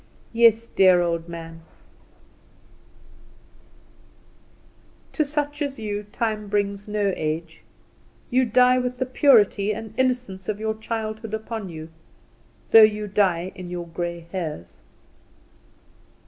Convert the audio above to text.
Yes, dear old man; to such as you time brings no age. You die with the purity and innocence of your childhood upon you, though you die in your grey hairs.